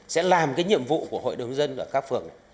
sẽ làm cái nhiệm vụ của hội đồng dân ở các phường này